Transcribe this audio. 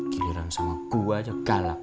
giliran sama gue aja galak